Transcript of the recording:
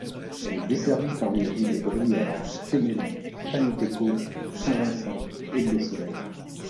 Elle est desservie par les rues de Briord, Fénelon, Fanny-Peccot, Saint-Vincent et Beausoleil.